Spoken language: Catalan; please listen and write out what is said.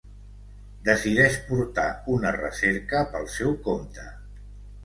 Decideix portar una recerca pel seu compte.